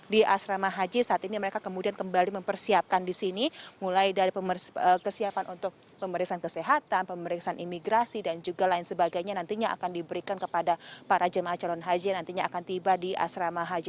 di asrama haji saat ini mereka kemudian kembali mempersiapkan di sini mulai dari kesiapan untuk pemeriksaan kesehatan pemeriksaan imigrasi dan juga lain sebagainya nantinya akan diberikan kepada para jemaah calon haji yang nantinya akan tiba di asrama haji